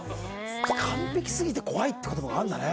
「完璧すぎて怖い」って言葉があるんだね。